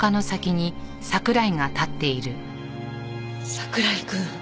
桜井くん